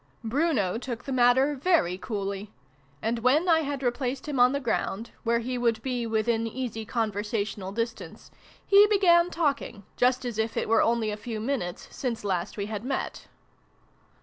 i] BRUNO'S LESSONS. 5 Bruno took the matter very coolly, and, when I had replaced him on the ground, where he would be within easy conversational distance, he began talking, just as if it were only a few minutes since last we had met.